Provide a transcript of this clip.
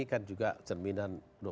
kan juga cerminan